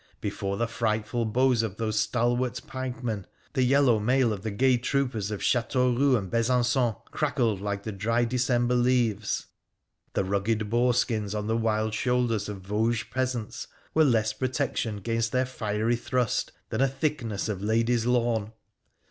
Before the frightful blows of those stalwart pike men the yellow mail of the gay troopers of Chateauroux and BesanQon crackled like dry December leaves ; the rugged boar skins on the wide shoulders of Vosges peasants were less protection 'gainst their fiery thrust than a thickness of lady's lawn.